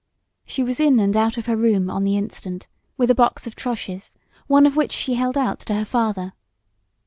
She was in and out of her room on the instant, with a box of troches, one of which she held out to her father.